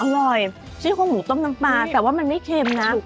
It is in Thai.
อร่อยซี่โครงหมูต้มน้ำปลาแต่ว่ามันไม่เค็มนะ